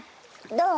どう？